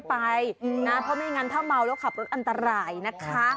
เพราะไม่งั้นถ้าเมาแล้วขับรถอันตรายนะคะ